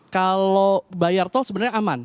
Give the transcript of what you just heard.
kalau bayar tol sebenarnya aman